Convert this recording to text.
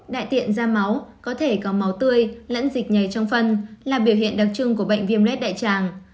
đại tiện ra máu có thể có máu tươi lẫn dịch nhảy trong phân là biểu hiện đặc trưng của bệnh viêm lết đại tràng